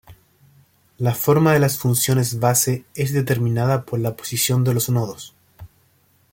La forma de las funciones base es determinada por la posición de los nodos.